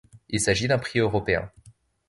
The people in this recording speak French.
Il s'agit d'un prix européen.